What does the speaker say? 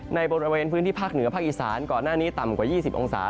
ในบริเวณพื้นที่ภาคเหนือภาคอีสานก่อนหน้านี้ต่ำกว่า๒๐องศา